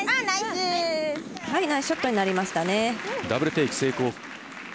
ナイスショットになりました